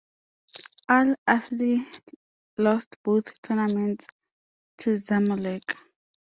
Al Ahly lost both tournaments to Zamalek.